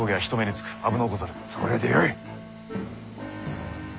それでよい。